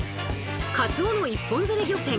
カツオの一本釣り漁船